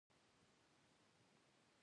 څو هغه خټکي دواړه وخورو.